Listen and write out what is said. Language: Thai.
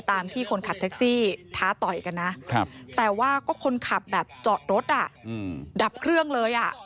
ตามที่คนขับแท็กซี่ท้าต่อยกันนะแต่ว่าก็คนขับแบบจอดรถดับเครื่องเลย